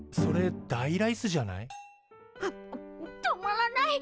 あむ止まらない！